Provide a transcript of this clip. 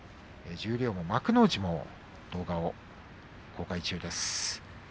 十両も幕内も動画を公開中です。